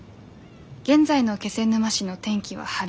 現在の気仙沼市の天気は晴れ。